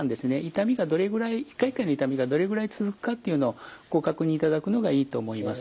痛みがどれぐらい一回一回の痛みがどれぐらい続くかっていうのをご確認いただくのがいいと思います。